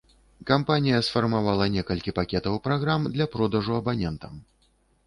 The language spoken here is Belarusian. Кампанія сфармавала некалькі пакетаў праграм для продажу абанентам.